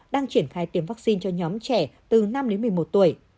đang triển khai tiêm vaccine cho nhóm trẻ từ năm đến một mươi một tuổi